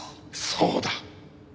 そうだ。